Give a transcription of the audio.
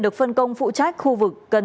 được phân công phụ trách khu vực cần